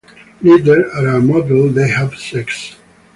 Later, at a motel, they have sex.